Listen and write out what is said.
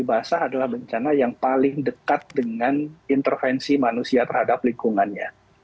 basah adalah bencana yang paling dekat dengan inter hidrometeorologi